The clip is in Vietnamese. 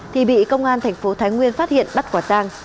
thì bị công an tp thái nguyên phát hiện bắt quả tang